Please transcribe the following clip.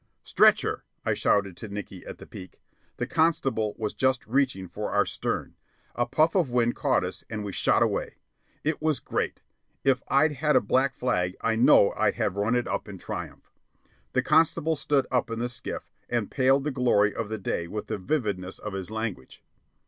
"Stretch her!" I shouted to Nickey at the peak. The constable was just reaching for our stern. A puff of wind caught us, and we shot away. It was great. If I'd had a black flag, I know I'd have run it up in triumph. The constable stood up in the skiff, and paled the glory of the day with the vividness of his language.